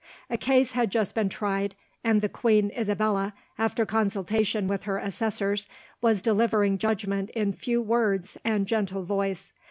A case had just been tried, and the queen Isabella, after consultation with her assessors, was delivering judgment in few words and a gentle voice.